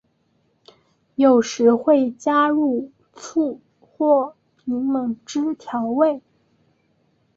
有时会加入醋或柠檬汁调味。